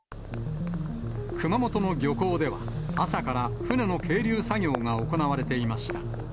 熊本の漁港では、朝から船の係留作業が行われていました。